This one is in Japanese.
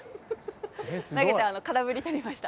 投げて空振り取りました。